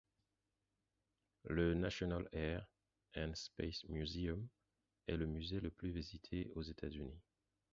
Le National Air and Space Museum est le musée le plus visité des États-Unis.